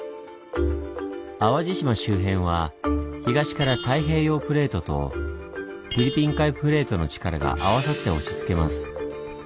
淡路島周辺は東から太平洋プレートとフィリピン海プレートの力が合わさって押しつけます。